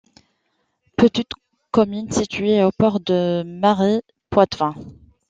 Petite commune située aux portes du Marais Poitevin.